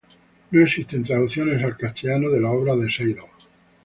No existen traducciones a castellano de la obra de Seidel.